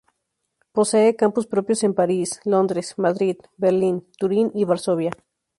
Posee campus propios en París, Londres, Madrid, Berlín, Turín y Varsovia.